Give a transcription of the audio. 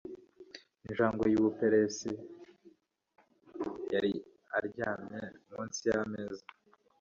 Injangwe yu Buperesi yari aryamye munsi yameza.